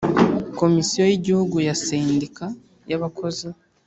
Komisiyo y’Igihugu ya Sendika y’abakozi